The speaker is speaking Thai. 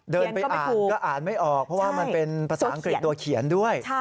เดินไปอ่านก็อ่านไม่ออกเพราะว่ามันเป็นภาษาอังกฤษตัวเขียนด้วย